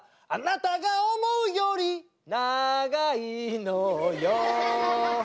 「あなたが思うよりながいのよ」